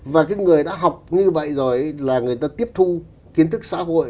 và cái người đã học như vậy rồi là người ta tiếp thu kiến thức xã hội